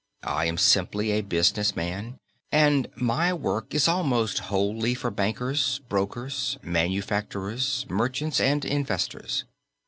I am simply a business man, and my work is almost wholly for bankers, brokers, manufacturers, merchants and investors.